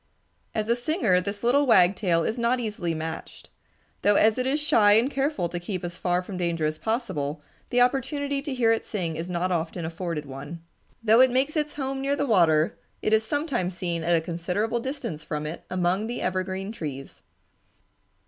As a singer this little wagtail is not easily matched, though as it is shy and careful to keep as far from danger as possible, the opportunity to hear it sing is not often afforded one. Though it makes its home near the water, it is sometimes seen at a considerable distance from it among the evergreen trees.